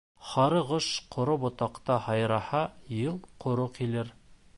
Һарығош ҡоро ботаҡта һайраһа, йыл ҡоро килер.